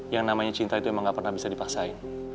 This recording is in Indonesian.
yang namanya cinta itu emang gak pernah bisa dipaksain